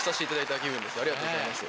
ありがとうございます。